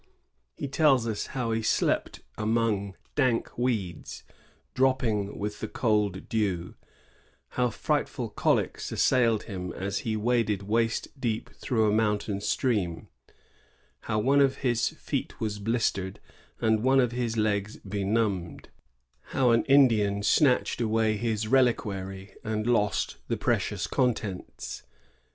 He tells us how he slept among dank weeds, dropping with the cold dew; how fright ful colics assailed him as he waded waist deep through a mountain stream ; how one of his feet was blistered and one of his legs benumbed ; how an Indian snatched away his reliquary and lost the precious contents.